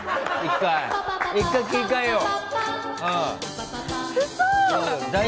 １回切り替えよう！